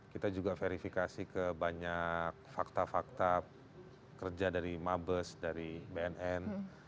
kita juga verifikasi ke banyak fakta fakta kerja dari mabes dari bnn